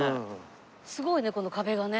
すごいねこの壁がね。